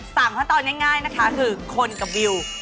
ขั้นตอนง่ายนะคะคือคนกับวิว